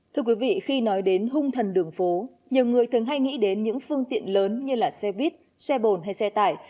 thưa quý vị khi nói đến hung thần đường phố nhiều người thường hay nghĩ đến những phương tiện lớn như xe buýt xe bồn hay xe tải